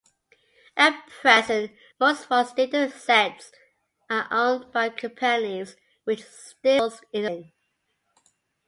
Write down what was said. At present, most voice datasets are owned by companies, which stifles innovation.